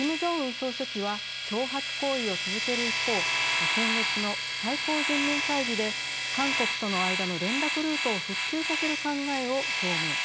総書記は挑発行為を続ける一方先月の最高人民会議で韓国との間の連絡ルートを復旧させる考えを表明。